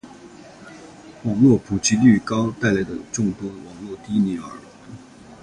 网络普及率高带来的众多网络低龄儿